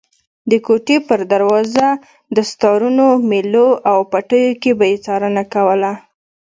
د کوټې په دروازه، دستارونو، مېلو او پټیو کې به یې څارنه کوله.